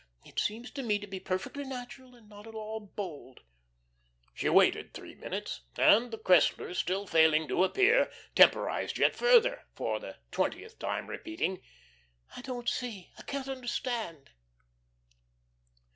It seems to me to be perfectly natural, and not at all bold." She waited three minutes, and the Cresslers still failing to appear, temporised yet further, for the twentieth time repeating: "I don't see I can't understand."